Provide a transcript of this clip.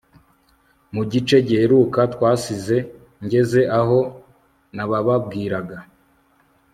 Mu gice giheruka twasize ngeze aho nabababwiraga